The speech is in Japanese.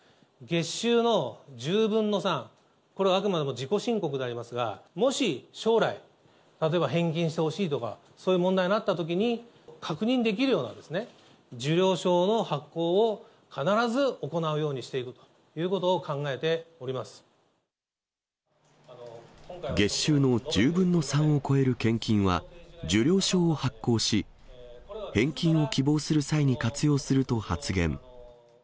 月収の１０分の３、これはあくまでも自己申告でありますが、もし、将来、例えば返金してほしいとか、そういう問題になったときに確認できるようなですね、受領証の発行を必ず行うようにしていくということを考えておりま月収の１０分の３を超える献金は、受領証を発行し、返金を希望する際に活用すると発言。